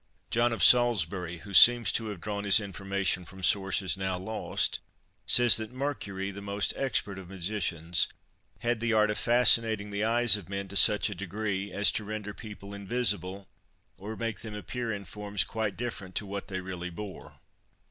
John of Salisbury, who seems to have drawn his information from sources now lost, says that Mercury, the most expert of magicians, had the art of fascinating the eyes of men to such a degree as to render people invisible, or make them appear in forms quite different to what they really bore.